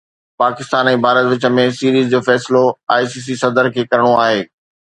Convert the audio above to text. پاڪستان ۽ ڀارت وچ ۾ سيريز جو فيصلو آءِ سي سي صدر کي ڪرڻو آهي